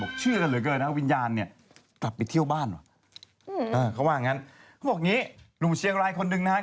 เขาบอกอย่างงี้หนูเชียงรายคนหนึ่งนะครับ